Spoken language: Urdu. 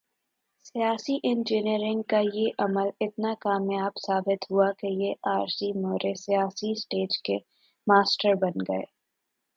سیاسی انجینئرنگ کا یہ عمل اتنا کامیاب ثابت ہوا کہ یہ عارضی مہرے سیاسی سٹیج کے ماسٹر بن گئے۔